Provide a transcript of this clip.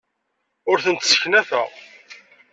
Ur tent-sseknafeɣ.